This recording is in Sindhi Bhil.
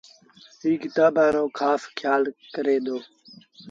ائيٚݩ ڪتآݩبآݩ رو کآس کيآل ڪري دو